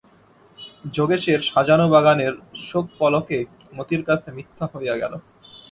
যোগেশের সাজানো বাগানের শোক পলকে মতির কাছে মিথ্যা হইয়া গেল।